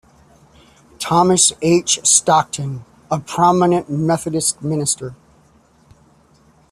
Thomas H. Stockton, a prominent Methodist minister.